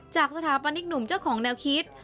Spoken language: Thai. สถาปนิกหนุ่มเจ้าของแนวคิด